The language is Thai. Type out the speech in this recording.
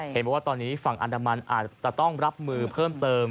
เห็นบอกว่าตอนนี้ฝั่งอันดามันอาจจะต้องรับมือเพิ่มเติม